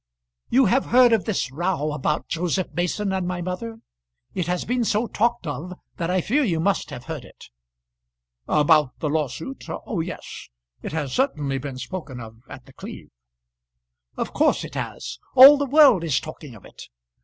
"You have heard of this row about Joseph Mason and my mother? It has been so talked of that I fear you must have heard it." "About the lawsuit? Oh yes. It has certainly been spoken of at The Cleeve." "Of course it has. All the world is talking of it.